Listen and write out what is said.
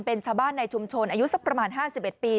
เป็นชาวบ้านในชุมชนอายุสักประมาณ๕๑ปี